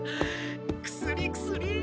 薬薬！